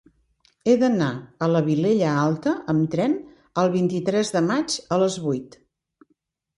He d'anar a la Vilella Alta amb tren el vint-i-tres de maig a les vuit.